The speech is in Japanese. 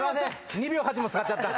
２秒８も使っちゃった。